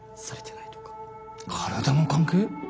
体の関係？